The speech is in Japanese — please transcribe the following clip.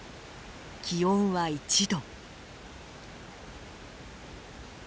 気温は１度。